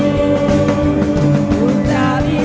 jauh jauh darimu